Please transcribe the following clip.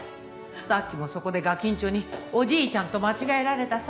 さっきもそこでがきんちょにおじいちゃんと間違えられたさ。